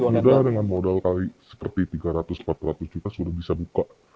kalau enggak dengan modal kali seperti tiga ratus empat ratus juta sudah bisa buka